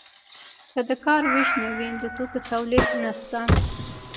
که د کار ویش نه وي د توکو تولید نشته.